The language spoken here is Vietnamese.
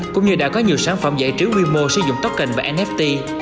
cũng như đã có nhiều sản phẩm giải trí quy mô sử dụng topen và nft